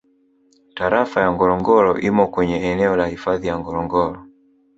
Tarafa ya Ngorongoro imo kwenye eneo la Hifadhi ya Ngorongoro